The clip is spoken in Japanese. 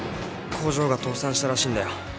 工場が倒産したらしいんだよ。